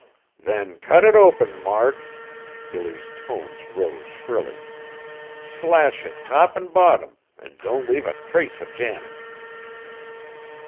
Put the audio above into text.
"Then cut it open, Mark!" Billy's tone rose shrilly. "Slash it top an' bottom an' don't leave a trace o' Janet."